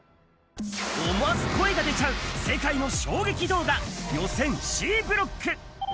思わず声が出ちゃう世界の衝撃動画、予選Ｃブロック。